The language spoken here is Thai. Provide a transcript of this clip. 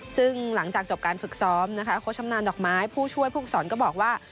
ซึ่งหลังจากจบการฝึกซ้อมนะคะโค้ชชำนาญดอกไม้ผู้ช่วยผู้ฝึกสอนก็บอกว่า